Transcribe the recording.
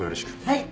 はい。